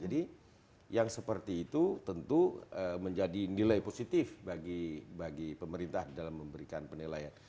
jadi yang seperti itu tentu menjadi nilai positif bagi pemerintah dalam memberikan penilaian